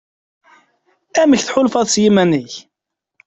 Amek tḥulfaḍ s yiman-ik?